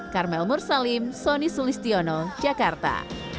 karmel mursalim sonny sulistiono jakarta